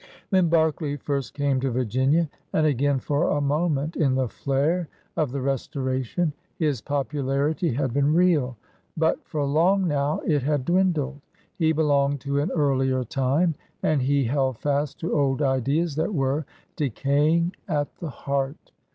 When Berkeley first came to Virginia, and again for a moment in the flare of the Restoration, his popularity had been real, but for long now it had dwindled. He belonged to an earlier time, and he held fast to old ideas that were decaying at the heart.